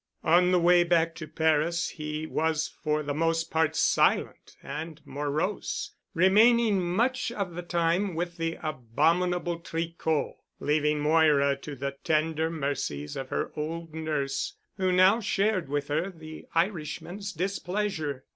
On the way back to Paris he was for the most part silent and morose, remaining much of the time with the abominable Tricot, leaving Moira to the tender mercies of her old nurse, who now shared with her the Irishman's displeasure.